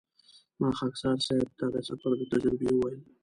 ما خاکسار صیب ته د سفر د تجربې وویل.